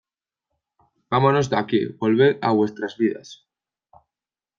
Vámonos de aquí. Volved a vuestras vidas .